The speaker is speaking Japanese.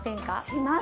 します。